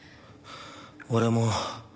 俺も。